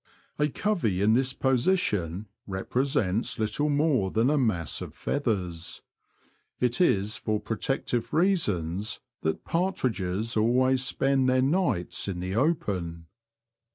A covey in this position represents little more than a mass of feathers. It is for protective reasons that partridges always spend their nights in the open.